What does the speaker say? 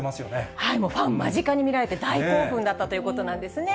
もうファン、間近に見られて、大興奮だったということなんですね。